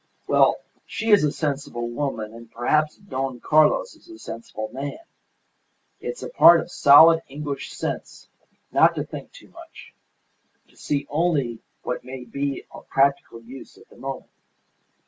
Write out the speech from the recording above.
Well, she is a sensible woman, and perhaps Don Carlos is a sensible man. It's a part of solid English sense not to think too much; to see only what may be of practical use at the moment.